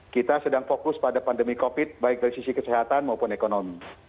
kita sedang fokus pada pandemi covid baik dari sisi kesehatan maupun ekonomi